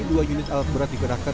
dua unit alat berat digerakkan